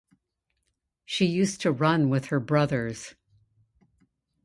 She used to run with her brothers.